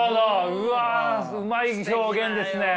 うわうまい表現ですね。